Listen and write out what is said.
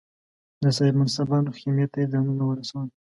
د صاحب منصبانو خېمې ته یې ځانونه ورسول.